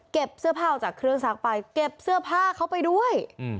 เสื้อผ้าออกจากเครื่องซักไปเก็บเสื้อผ้าเขาไปด้วย